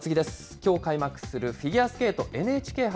きょう開幕するフィギュアスケートＮＨＫ杯。